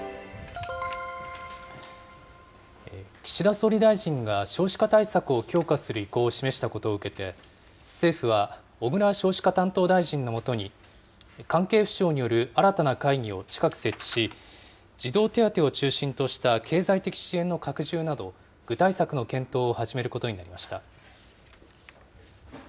岸田総理大臣が少子化対策を強化する意向を示したことを受けて、政府は、小倉少子化担当大臣の下に、関係府省による新たな会議を近く設置し、児童手当を中心とした経済的支援の拡充など、具体策の検討を始めることになりました。